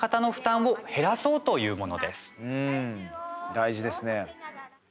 大事ですね。